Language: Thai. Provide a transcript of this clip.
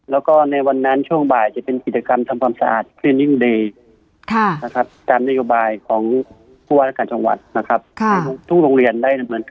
และในวันนั้นช่วงบ่ายจะเป็นกีธกรรมทำความสะอาด